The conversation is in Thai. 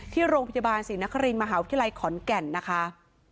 ที่โรงพยาบาลศรีนครินมหาวิทยาลัยขอนแก่นนะคะ